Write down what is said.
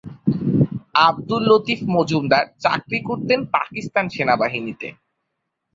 আবদুল লতিফ মজুমদার চাকরি করতেন পাকিস্তান সেনাবাহিনীতে।